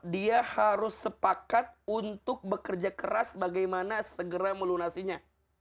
dia harus sepakat untuk bekerja keras bagaimana segera melunasinya